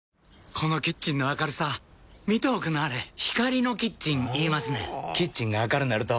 このキッチンの明るさ見ておくんなはれ光のキッチン言いますねんほぉキッチンが明るなると・・・